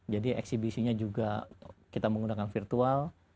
jadi eksibisinya juga kita menggunakan virtual